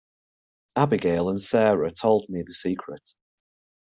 Abigail and Sara told me the secret.